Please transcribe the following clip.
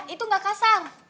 itu ga kasar